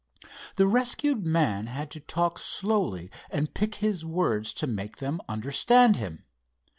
The rescued man had to talk slowly and pick his words to make them understand him.